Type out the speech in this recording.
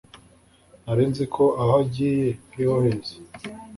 narinziko aho agiye ariho heza